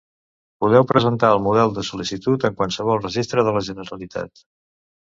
Podeu presentar el model de sol·licitud en qualsevol registre de la Generalitat.